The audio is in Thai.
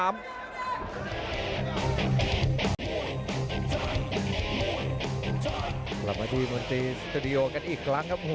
กลับมาที่มนตรีสตูดิโอกันอีกครั้งครับ